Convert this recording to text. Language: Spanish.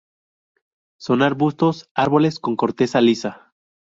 Son arbustos, árboles con corteza lisa.